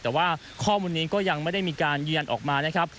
แต่ว่าข้อมูลนี้ก็ยังไม่ได้มีการยืนยันออกมานะครับ